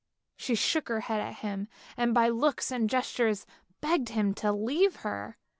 She shook her head at him, and by looks and gestures begged him to leave her.